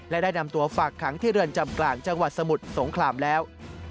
และได้นำตัวฝากขังที่เรือนจำกลางจังหวัดสมุทรสงครามแล้ว